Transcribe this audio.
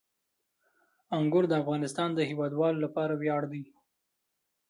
انګور د افغانستان د هیوادوالو لپاره ویاړ دی.